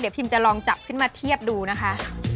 เดี๋ยวพิมพ์จะลองจับขึ้นมาเทียบดูนะคะ